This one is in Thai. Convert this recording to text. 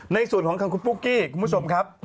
ในส่วนของทางคุณปุ๊กกี้คุณผู้ชมครับ